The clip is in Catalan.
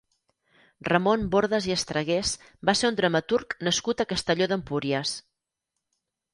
Ramon Bordas i Estragués va ser un dramaturg nascut a Castelló d'Empúries.